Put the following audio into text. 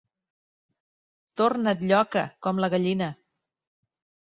Tornat lloca, com la gallina.